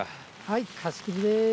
はい貸し切りでーす。